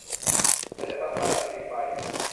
เหมือนจะสำคัญอะไรผิดไป